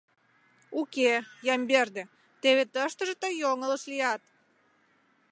Уке, Ямберде, теве тыштыже тый йоҥылыш лият.